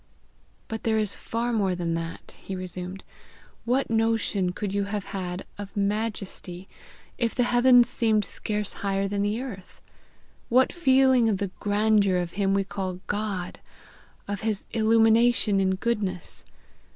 "But there is far more than that," he resumed. "What notion could you have had of majesty, if the heavens seemed scarce higher than the earth? what feeling of the grandeur of him we call God, of his illimitation in goodness?